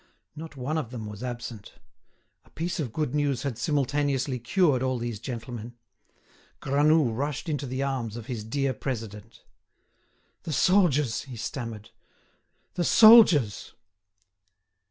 Not one of them was absent. A piece of good news had simultaneously cured all these gentlemen. Granoux rushed into the arms of his dear president. "The soldiers!" he stammered, "the soldiers!"